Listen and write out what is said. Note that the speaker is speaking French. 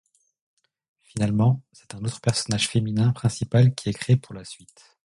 Finalement, c'est un autre personnage féminin principal qui est créé pour la suite.